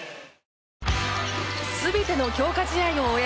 全ての強化試合を終え